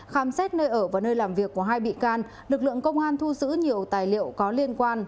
khám xét nơi ở và nơi làm việc của hai bị can lực lượng công an thu giữ nhiều tài liệu có liên quan